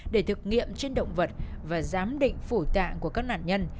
để thực nghiệm trên động vật và giám định phủ tạng của các nạn nhân